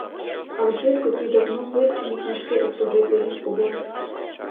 Але швидко ті давно вивчені книжки остогидли їм обом.